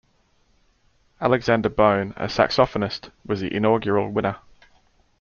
Alexander Bone, a saxophonist, was the inaugural winner.